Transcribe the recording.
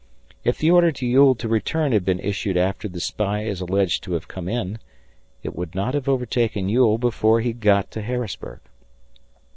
If the order to Ewell to return had been issued after the spy is alleged to have come in, it would not have overtaken Ewell before he got to Harrisburg.